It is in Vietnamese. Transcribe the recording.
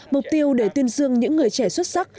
mục tiêu để tuyên dương những người trẻ xuất sắc